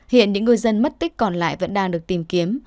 hiện những ngư dân mất tích còn lại vẫn đang được tìm kiếm